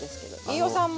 飯尾さん